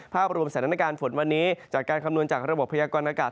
ภาพรวมสถานการณ์ฝนวันนี้จากการคำนวณจากระบบพยากรณากาศ